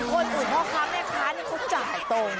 คืออยู่คนอื่นค้าแม่ข้านี้คุกจ่ายตรง